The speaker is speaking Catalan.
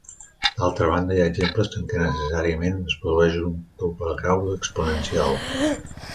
D'altra banda, hi ha exemples en què necessàriament es produeix un doble grau exponencial.